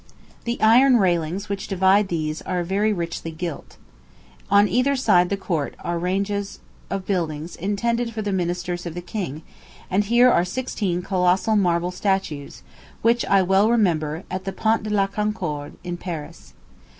The iron railings which divide these are very richly gilt. On either side the court are ranges of buildings intended for the ministers of the king; and here are sixteen colossal marble statues, which I well remember, at the Pont de la Concorde, in Paris.